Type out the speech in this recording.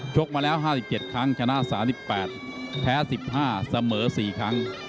กมาแล้ว๕๗ครั้งชนะ๓๘แพ้๑๕เสมอ๔ครั้ง